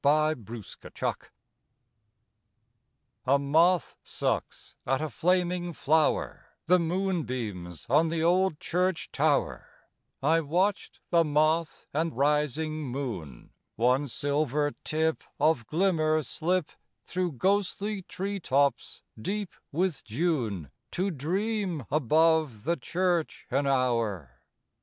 IN SHADOW I A moth sucks at a flaming flower: The moon beams on the old church tower: I watched the moth and rising moon, One silver tip Of glimmer, slip Through ghostly tree tops, deep with June, To dream above the church an hour.